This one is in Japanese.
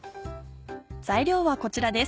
材料はこちらです。